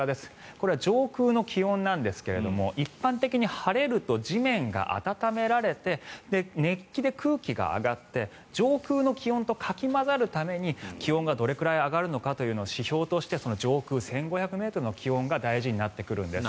これは上空の気温なんですが一般的に晴れると地面が暖められて熱気で空気が上がって上空の気温とかき混ざるために気温がどれくらい上がるのかというのを指標として上空１５００ｍの気温が大事になってくるんです。